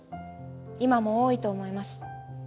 今も多いと思います。